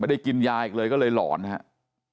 กินยาอีกเลยก็เลยหลอนครับ